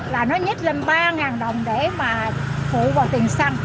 là nó nhích lên ba đồng để mà phụ vào tiền xăng